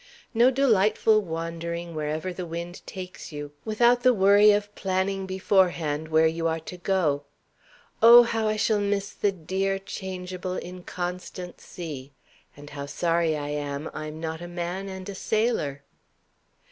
No delightful wandering wherever the wind takes you, without the worry of planning beforehand where you are to go. Oh how I shall miss the dear, changeable, inconstant sea! And how sorry I am I'm not a man and a sailor!"